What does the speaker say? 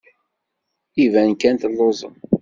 Iban kan telluẓem.